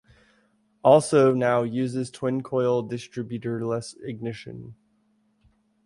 Also now uses twin coil distributorless ignition.